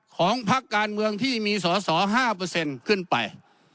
ของภักดิ์การเมืองที่มีสอสอ๕เปอร์เซ็นต์ขึ้นไป